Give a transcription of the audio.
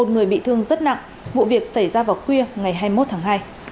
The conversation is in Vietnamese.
một người bị thương rất nặng vụ việc xảy ra vào khuya ngày hai mươi một tháng hai